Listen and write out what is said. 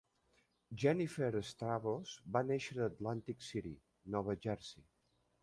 Jennifer Stavros va néixer a Atlantic City (Nova Jersey).